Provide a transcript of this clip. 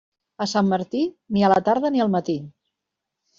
A Sant Martí, ni a la tarda ni al matí.